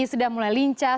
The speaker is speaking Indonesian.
sudah mulai lincah